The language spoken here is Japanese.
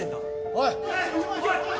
おい